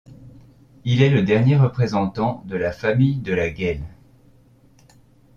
Il est le dernier représentant de la famille de la Guesle.